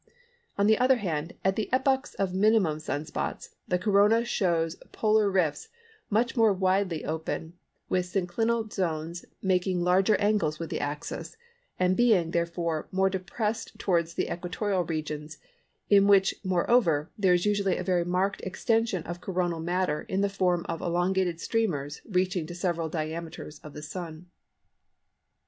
On the other hand, at the epochs of minimum Sun spots, the Corona shows polar rifts much more widely open, with synclinal zones making larger angles with the axis, and being, therefore, more depressed towards the equatorial regions, in which, moreover, there is usually a very marked extension of Coronal matter in the form of elongated streamers reaching to several diameters of the Sun.